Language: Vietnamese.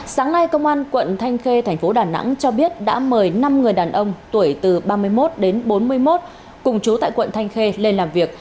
sáng nay công an quận thanh khê thành phố đà nẵng cho biết đã mời năm người đàn ông tuổi từ ba mươi một đến bốn mươi một cùng chú tại quận thanh khê lên làm việc